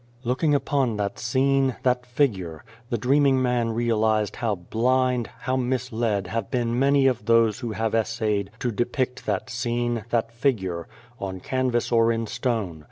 Looking upon that scene, that figure, the dreaming man realised how blind, how misled have been many of those who have essayed to depict that scene, that figure, on canvas or in stone.